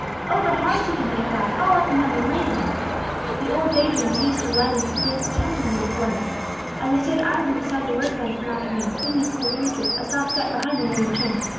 O the hearts he could make glad, all up and down the land! The old day dreams he used to delight in danced temptingly before him. As he stood idly beside the work bench one afternoon, thinking of such a future, a soft step behind him made him turn.